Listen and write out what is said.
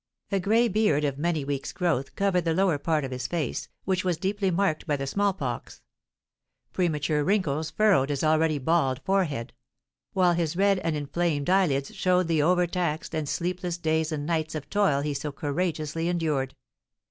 A gray beard of many weeks' growth covered the lower part of his face, which was deeply marked by the smallpox; premature wrinkles furrowed his already bald forehead; while his red and inflamed eyelids showed the overtaxed and sleepless days and nights of toil he so courageously endured.